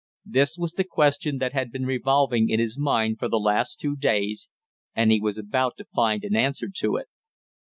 This was the question that had been revolving in his mind for the last two days, and he was about to find an answer to it.